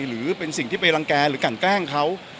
หรือเป็นสิ่งที่ไปรังแก่หรือกันแกล้งเขา